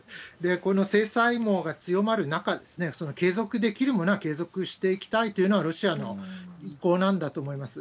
この制裁網が強まる中、継続できるものは継続していきたいというのがロシアの意向なんだと思います。